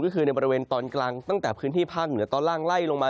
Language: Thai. ก็คือในบริเวณตอนกลางตั้งแต่พื้นที่ภาคเหนือตอนล่างไล่ลงมา